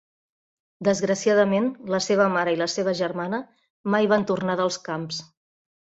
Desgraciadament, la seva mare i la seva germana mai van tornar dels camps.